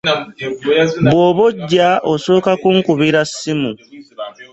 Bw'oba ojja osooka kunkubira ssimu.